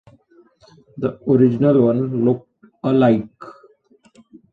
The original one looked alike.